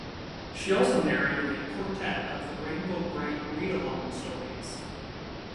She also narrated a quartet of the "Rainbow Brite" read-along stories.